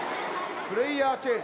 プレイヤーチェンジ。